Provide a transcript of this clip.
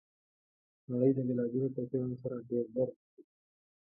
نړۍ د بېلابېلو توپیرونو سره ډېر ژر مخ کېدونکي ده!